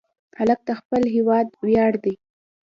هلک د خپل هېواد ویاړ دی.